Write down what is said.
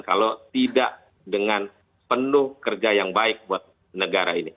kalau tidak dengan penuh kerja yang baik buat negara ini